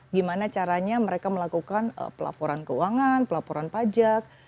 gimana caranya mereka melakukan pelaporan keuangan pelaporan pajak